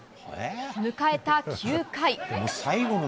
迎えた９回。